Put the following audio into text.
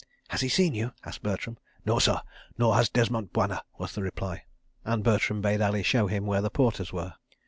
"Has he seen you?" asked Bertram. "No, sah, nor has Desmont Bwana," was the reply—and Bertram bade Ali show him where the porters were.